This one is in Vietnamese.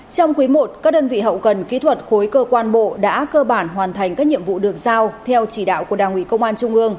trong quý i các đơn vị hậu cần kỹ thuật khối cơ quan bộ đã cơ bản hoàn thành các nhiệm vụ được giao theo chỉ đạo của đảng ủy công an trung ương